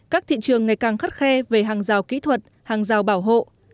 các thị trường ngày càng khắt khe về hàng rào kỹ thuật hàng rào bảo hộ